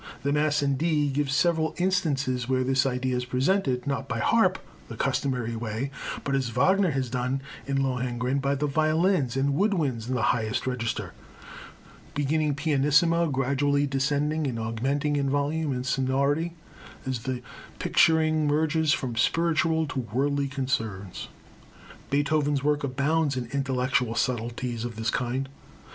The Mass in D gives several instances where this idea is presented, not by harp (the customary way), but as Wagner has done in Lohengrin, by the violins and wood winds in the highest register, beginning pianissimo, gradually descending and augmenting in volume and sonority as the picturing merges from spiritual to worldly concerns. Beethoven's work abounds in intellectual subtleties of this kind.